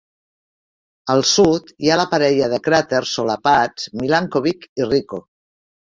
Al sud hi ha la parella de cràters solapats Milankovic i Ricco.